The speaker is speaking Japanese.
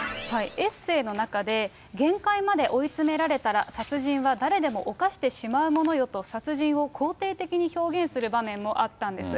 エッセーの中で、限界まで追い詰められたら殺人は誰でも犯してしまうものよと、殺人を肯定的に表現する場面もあったんです。